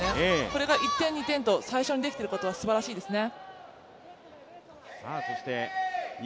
これが１点、２点と最初にできていることは、すばらしいですね。